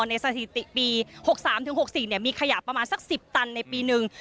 สถิติปี๖๓๖๔มีขยะประมาณสัก๑๐ตันในปีหนึ่ง